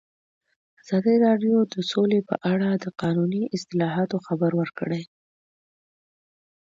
ازادي راډیو د سوله په اړه د قانوني اصلاحاتو خبر ورکړی.